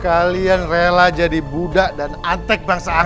kalian rela jadi budak dan antek bangsa asing